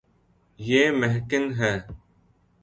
یے مہکن ہے